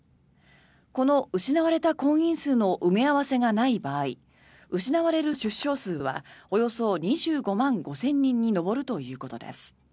この失われた婚姻数の埋め合わせがない場合失われる出生数はおよそ２５万５０００人に上るということです。